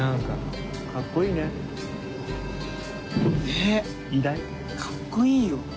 かっこいいよ。